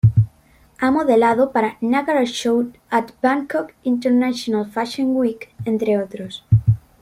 Ha modelo para "Nagara Show At Bangkok International Fashion Week", entre otros.